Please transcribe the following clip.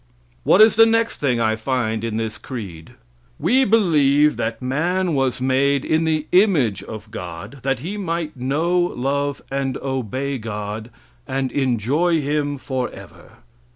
What is the next thing I find in this creed? "We believe that man was made in the image of God, that he might know, love and obey God, and enjoy Him for ever."